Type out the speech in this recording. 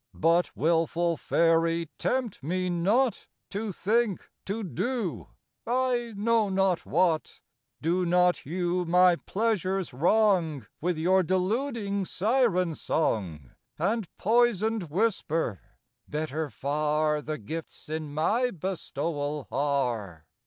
But, wilful fairy, tempt me not To think, to do — I know not what — Do not you my pleasures wrong With your deluding siren song, And poisoned whisper, " Better far The gifts in my bestowal are